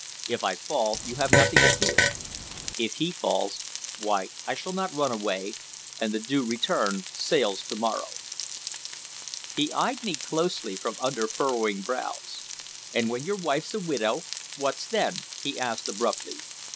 If I fall, you have nothing to fear. If he falls, why, I shall not run away, and the Due Return sails to morrow." He eyed me closely from under frowning brows. "And when your wife's a widow, what then?" he asked abruptly.